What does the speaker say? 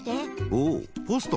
おおポストも。